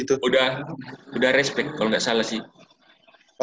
udah respect kalau gak salah sih